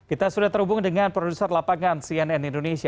kita sudah terhubung dengan produser lapangan cnn indonesia